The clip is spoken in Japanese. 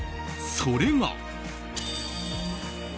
それが。